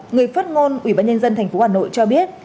người phát ngôn ủy ban nhân dân thành phố hà nội cho biết